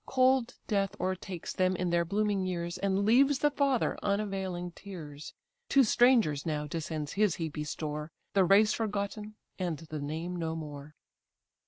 Cold death o'ertakes them in their blooming years, And leaves the father unavailing tears: To strangers now descends his heapy store, The race forgotten, and the name no more.